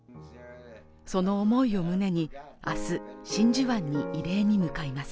その思いを胸に明日真珠湾に慰霊に向かいます